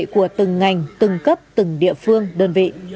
của từng ngành từng cấp từng địa phương đơn vị